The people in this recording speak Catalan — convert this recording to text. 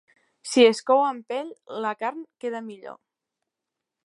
Si es cou amb pell, la carn queda millor.